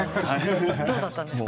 どうだったんですか？